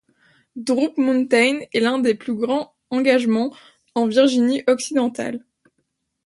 Droop Mountain est l'un des plus grands engagements en Virginie-Occidentale.